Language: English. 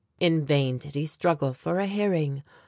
In vain did he struggle for a hearing.